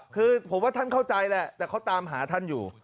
คือผมว่าท่านเข้าใจแหละแต่เขาตามหาท่านอยู่